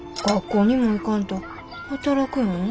学校にも行かんと働くん？